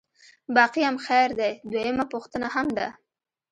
باقي هم خیر دی، دویمه پوښتنه هم ده.